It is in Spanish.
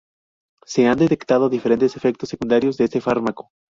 Se han detectado diferentes efectos secundarios de este fármaco.